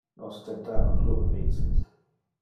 Nos tentava plure vices.